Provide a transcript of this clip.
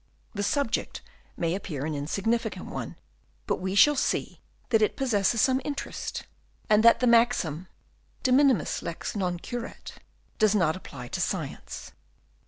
The subject may appear an insignificant one, but we shall see that it possesses some interest ; and the maxim " de minimis lex non curat," does not apply to science.